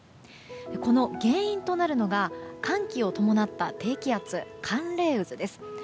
この原因となるのが寒気を伴った低気圧寒冷渦です。